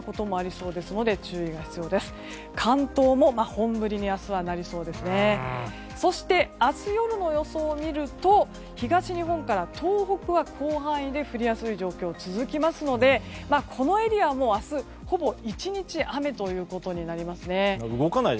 そして、明日夜の予想を見ると東日本から東北は、広範囲で降りやすい状況が続きますのでこのエリアも明日ほぼ一日雨ということになりますね。